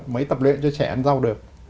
mới tập luyện cho trẻ ăn rau được